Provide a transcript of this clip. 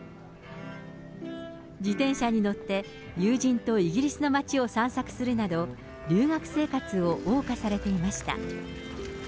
自転車に乗って友人とイギリスの街を散策するなど、留学生活をおう歌されていました。